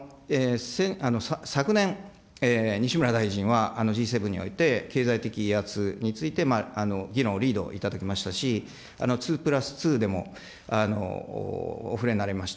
昨年、西村大臣は、Ｇ７において経済的威圧について、議論をリードいただきましたし、２プラス２でもお触れになられました。